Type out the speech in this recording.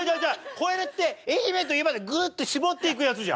これって愛媛といえばでグッて絞っていくやつじゃん。